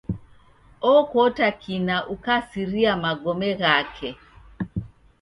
Okota kina ukasiria magome ghake.